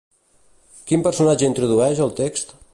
Quin personatge introdueix el text?